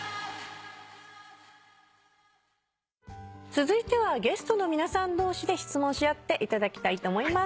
続いてはゲストの皆さん同士で質問し合っていただきたいと思います。